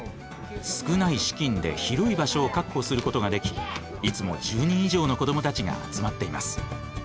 少ない資金で広い場所を確保することができいつも１０人以上の子どもたちが集まっています。